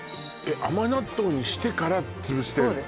甘納豆にしてから潰してんの？